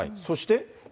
そして。